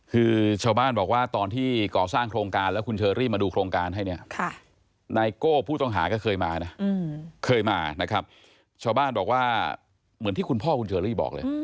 คือชาบ้านบอกว่าตอนที่ก่อสร้างโครงการแล้วคุณเชอรี่มาดูโครงการให้เนี่ย